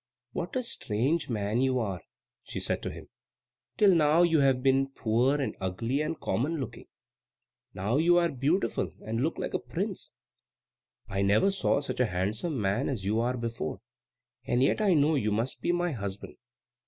"What a strange man you are!" she said to him. "Till now you have been poor, and ugly, and common looking. Now you are beautiful and look like a prince; I never saw such a handsome man as you are before; and yet I know you must be my husband."